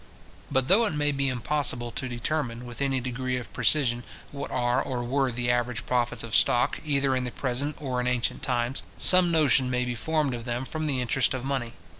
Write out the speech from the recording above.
But though it may be impossible to determine, with any degree of precision, what are or were the average profits of stock, either in the present or in ancient times, some notion may be formed of them from the interest of money.